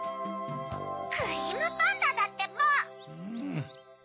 クリームパンダだってば！